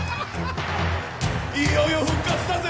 いよいよ復活だぜ。